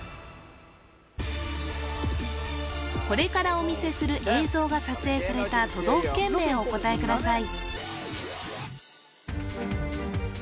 これからお見せする映像が撮影された都道府県名をお答えください